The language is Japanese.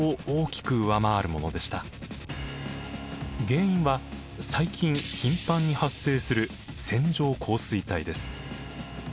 原因は最近頻繁に発生する線状降水帯です。